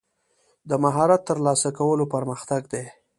د مهارت ترلاسه کول پرمختګ دی.